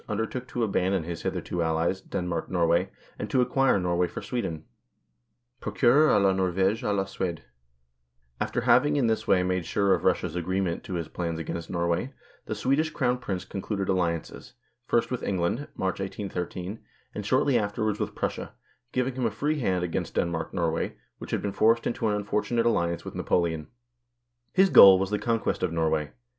undertook to abandon his hitherto allies, Denmark Norway, and to acquire Norway for Sweden {procurer la Norvege a la Suede}) After having in this way made sure of Russia's agreement to his plans against Norway, the Swedish Crown Prince concluded alliances, 2 first with England (March, 1813) and shortly afterwards with Prussia, giving him a free hand against Denmark Norway, which had been forced into an unfortunate alliance with Napoleon. His goal was the conquest of Norway.